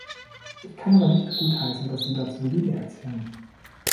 Ich kann aber nicht gutheißen, dass sie dazu Lügen erzählen.